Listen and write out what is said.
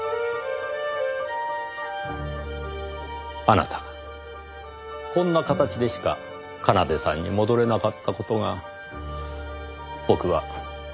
あなたがこんな形でしか奏さんに戻れなかった事が僕はとても残念です。